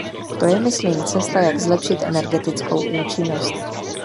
To je myslím cesta, jak zlepšit energetickou účinnost.